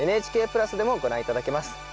ＮＨＫプラスでもご覧頂けます。